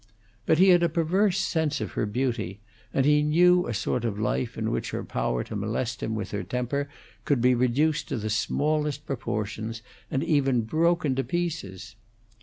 But he had a perverse sense of her beauty, and he knew a sort of life in which her power to molest him with her temper could be reduced to the smallest proportions, and even broken to pieces.